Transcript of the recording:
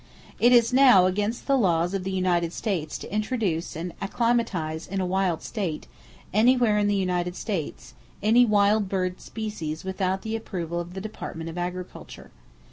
It is now against the laws of the United States to introduce and acclimatize in a wild state, anywhere in the United States, any wild bird species without the approval of the Department of Agriculture.